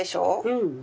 うん！